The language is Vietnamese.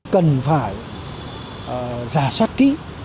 cần phải giả soát kỹ